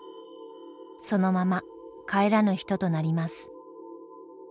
そのまま帰らぬ人となります。